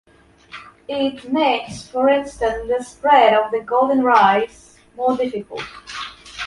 It makes, for instance, the spread of golden rice more difficult.